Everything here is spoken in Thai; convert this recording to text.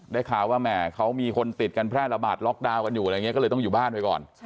ได้ข่าวว่าแม่เขามีคนติดกันแพร่ระบาดล็อกดาวน์ก็เลยต้องอยู่บ้านไปก่อน